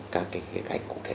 các cái khía cạnh cụ thể